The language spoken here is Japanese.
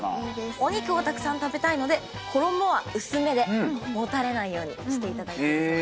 お肉をたくさん食べたいので衣は薄めでもたれないようにしていただいてるそうですよ。